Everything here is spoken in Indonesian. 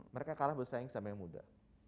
mereka kalah bersaing sama yang muda